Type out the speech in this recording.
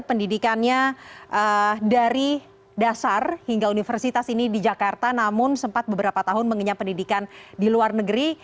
pendidikannya dari dasar hingga universitas ini di jakarta namun sempat beberapa tahun mengenyam pendidikan di luar negeri